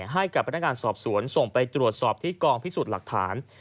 ให้กับพนักงานสอบสวนส่งไปตรวจสอบที่กองพิสูจน์หลักฐาน